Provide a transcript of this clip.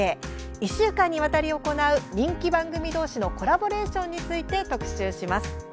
１週間にわたり行う人気番組同士のコラボレーションについて特集します。